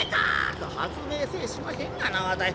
「それ発明せえしまへんがなわたい。